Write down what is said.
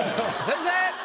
先生！